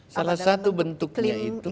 salah satu bentuknya itu